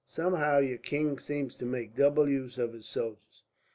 Somehow your king seems to make double use of his soldiers.